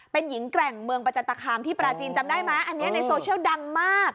เป็นหญิงแกร่งเมืองประจันตคามที่ปราจีนจำได้ไหมอันนี้ในโซเชียลดังมาก